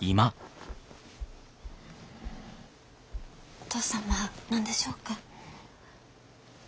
お義父様何でしょうか？